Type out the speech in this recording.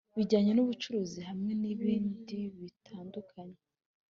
Bijyanye n ubucuruzi hamwe nibindibitandukanye